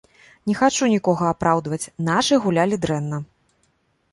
Не хачу нікога апраўдваць, нашы гулялі дрэнна.